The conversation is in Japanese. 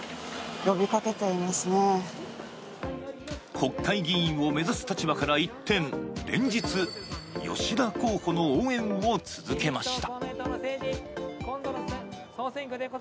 国会議員を目指す立場から一転、連日、吉田候補の応援を続けました。